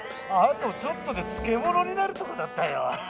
あとちょっとでつけものになるとこだったよ。